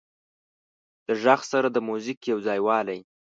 د غږ سره د موزیک یو ځایوالی